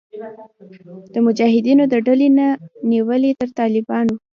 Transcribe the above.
د مجاهدینو د ډلو نه نیولې تر طالبانو